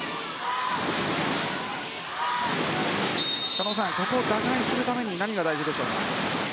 狩野さん、ここを打開するために何が大事でしょうか。